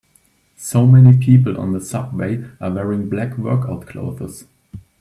So many people on the subway are wearing black workout clothes.